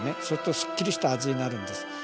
そうするとすっきりした味になるんです。